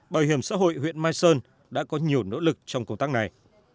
bảo hiểm xã hội huyện mai sơn đã có nhiều nỗ lực trong công tác này